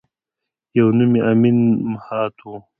یوه نوم یې امین مهات وه.